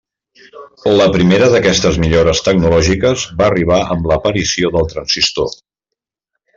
La primera d'aquestes millores tecnològiques va arribar amb l'aparició del transistor.